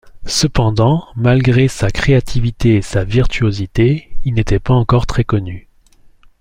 Cependant, malgré sa créativité et sa virtuosité, il n'était pas encore très connu.